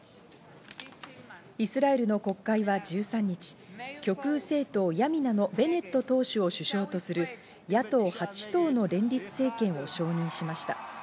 イスラエルの国会は１３日、極右政党ヤミナのベネット党首を首相とする、野党８党の連立政権を承認しました。